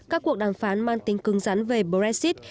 các cuộc đàm phán mang tính cưng rắn về brexit